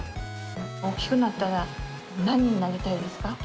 大きくなったら何になりたいですか？